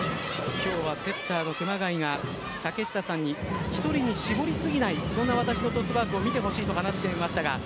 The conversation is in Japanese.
今日はセッターの熊谷が竹下さんに、１人に絞りすぎないそんな私のトスワークを見てほしいと話していましたが。